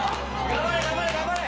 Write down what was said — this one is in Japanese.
頑張れ頑張れ頑張れ。